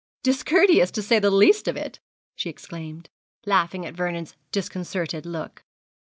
'Discourteous, to say the least of it,' she exclaimed, laughing at Vernon's disconcerted look.